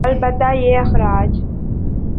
البتہ یہ اخراج